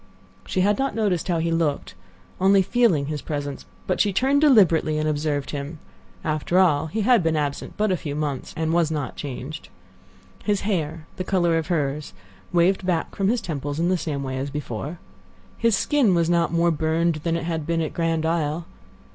She had not noticed how he looked—only feeling his presence; but she turned deliberately and observed him. After all, he had been absent but a few months, and was not changed. His hair—the color of hers—waved back from his temples in the same way as before. His skin was not more burned than it had been at Grand Isle.